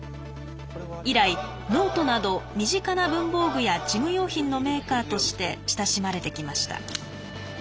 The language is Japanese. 以来ノートなど身近な文房具や事務用品のメーカーとして親しまれてきました。